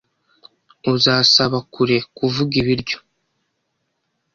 Uzasaba kureka kuvuga ibiryo.